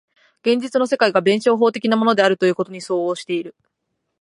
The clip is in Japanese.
現実の世界が弁証法的なものであるということに相応している。